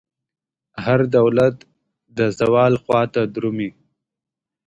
هر دولت د زوال خواته درومي.